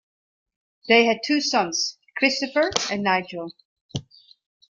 They had two sons, Christopher and Nigel.